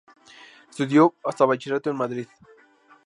Estudió hasta bachillerato en Madrid.